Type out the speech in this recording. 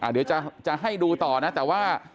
เดี๋ยวจะให้ดูต่อนะแต่ว่า